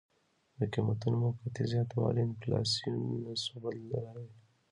د قیمتونو موقتي زیاتوالی انفلاسیون نه شو بللی.